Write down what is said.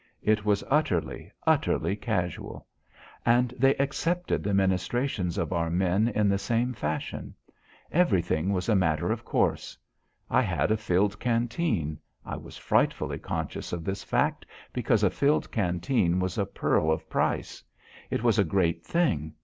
It was utterly, utterly casual. And they accepted the ministrations of our men in the same fashion. Everything was a matter of course. I had a filled canteen. I was frightfully conscious of this fact because a filled canteen was a pearl of price; it was a great thing.